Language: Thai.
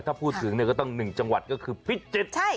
ถ้าพูดถึงก็ต้องหนึ่งจังหวัดก็คือพิจิตร